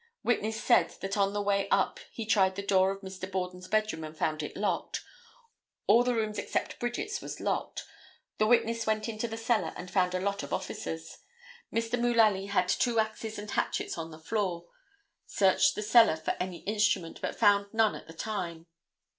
Witness said that on the way up he tried the door of Mr. Borden's bedroom and found it locked; all the rooms except Bridget's was locked; the witness went into the cellar and found a lot of officers; Mr. Mullaly had two axes and hatchets on the floor; searched the cellar for any instrument, but found none at the time.